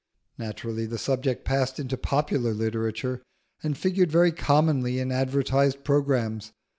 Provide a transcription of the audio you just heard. Naturally the subject passed into popular literature, and figured very commonly in advertised programmes.